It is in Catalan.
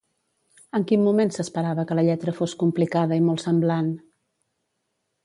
En quin moment s'esperava que la lletra fos complicada i molt semblant?